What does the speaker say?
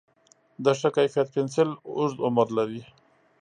د ښه کیفیت پنسل اوږد عمر لري.